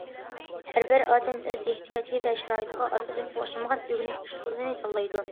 ھەر بىر ئادەم ئۆز ئېھتىياجى ۋە شارائىتىغا ئاساسەن ئوخشىمىغان ئۆگىنىش ئۇسۇلىنى تاللايدۇ.